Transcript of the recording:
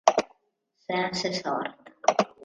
Sense sort